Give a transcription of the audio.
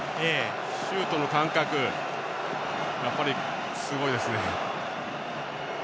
シュートの感覚やっぱりすごいですね。